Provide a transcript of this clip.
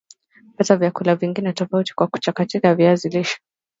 pata vyakula vingine tofauti kwa kuchakata viazi lishe